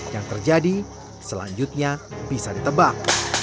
yang terjadi selanjutnya bisa ditebak